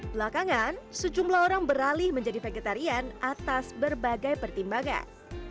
belakangan sejumlah orang beralih menjadi vegetarian atas berbagai pertimbangan